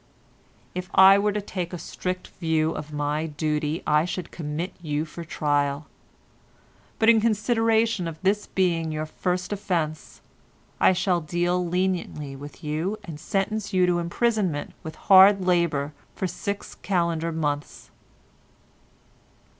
"If I were to take a strict view of my duty I should commit you for trial, but in consideration of this being your first offence, I shall deal leniently with you and sentence you to imprisonment with hard labour for six calendar months."